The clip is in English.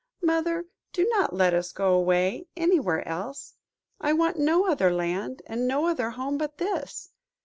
Mother, do not let us go away anywhere else. I want no other land, and no other home but this.